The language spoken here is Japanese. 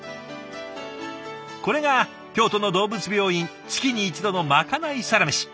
これが京都の動物病院月に一度のまかないサラメシ。